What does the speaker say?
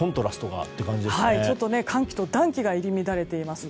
ちょっと寒気と暖気が入り乱れています。